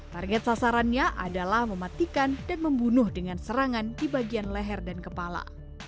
target sasarannya adalah mematikan dan membunuh dengan serangan di bagian leher dan kepala